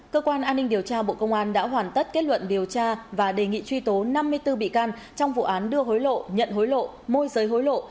cơ quan an ninh điều tra bộ công an đã hoàn tất kết luận điều tra và đề nghị truy tố năm mươi bốn bị can trong vụ án đưa hối lộ nhận hối lộ môi giới hối lộ